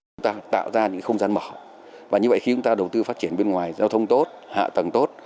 chúng ta tạo ra những không gian mở và như vậy khi chúng ta đầu tư phát triển bên ngoài giao thông tốt hạ tầng tốt